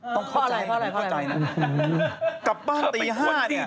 ต้องเข้าใจนะ